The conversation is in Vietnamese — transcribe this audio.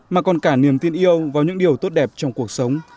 mà còn cả niềm tin yêu vào những điều tốt đẹp trong cuộc sống